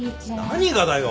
何がだよ！